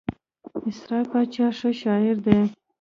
اسرار باچا ښه شاعر دئ.